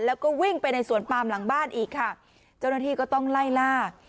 แล้วก็วิ่งไปในสวนปามหลังบ้านอีกค่ะเจ้าหน้าที่ก็ต้องไล่ล่า